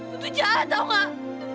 itu jahat tau gak